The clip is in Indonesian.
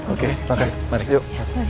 oke baiklah mari yuk